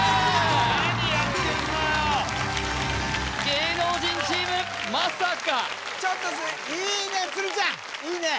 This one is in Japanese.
芸能人チームまさかちょっといいね